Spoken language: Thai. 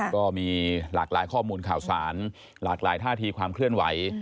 ก็มีหลากหลายข้อมูลข่าวสารหลากหลายท่าทีความเคลื่อนไหว